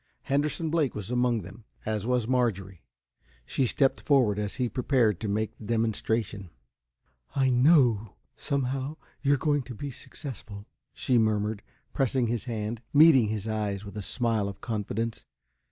Henderson Blake was among them, as was Marjorie. She stepped forward, as he prepared to make the demonstration. "I know, somehow, you're going to be successful!" she murmured, pressing his hand, meeting his eyes with a smile of confidence.